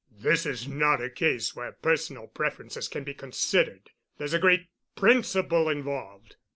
"This is not a case where personal preferences can be considered. There's a great principle involved.